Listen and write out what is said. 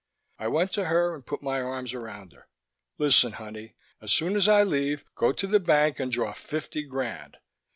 I went to her and put my arms around her. "Listen, honey: as soon as I leave, go to the bank and draw fifty grand.